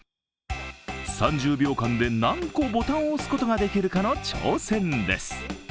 ３０秒間で何個ボタンを押すことができるかの挑戦です。